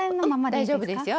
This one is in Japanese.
大丈夫ですよ。